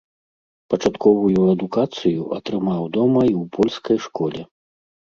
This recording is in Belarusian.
Пачатковую адукацыю атрымаў дома і ў польскай школе.